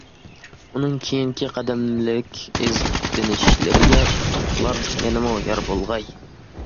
ئۇنىڭ كېيىنكى قەدەملىك ئىزدىنىشلىرىگە ئۇتۇقلار يەنىمۇ يار بولغاي!